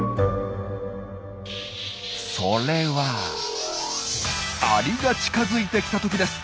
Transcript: それはアリが近づいてきたときです。